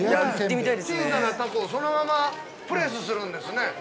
◆小さなタコをそのままプレスするんですね。